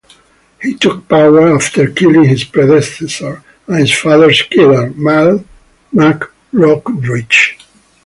He took power after killing his predecessor, and his father's killer, Mal mac Rochride.